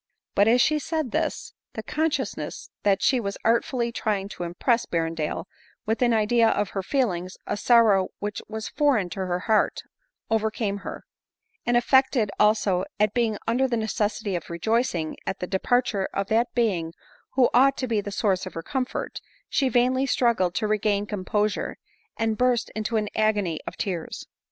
but as she said this, 20* ^*JL 230 ADELINE MOWBRAY. the consciousness that she was artfully trying to impress Berrendale with m idea of her feeling a sorrow which was foreign to her heart, overcame her ; and affected also at being under the necessity of rejoicing at the de parture of that being who ought to be the source of her comfort, she vainly struggled to regain composure, and burst into an agony of tears.